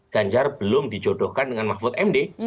ganjar belum dijodohkan dengan mahfud md